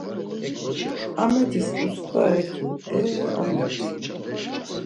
Amet̆is utzvare ki; eee Amet̆.